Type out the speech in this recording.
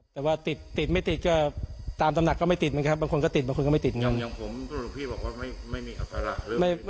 คือว่าเป็นเรื่องปกติที่คู่กับสังคมไทยมานานแล้ว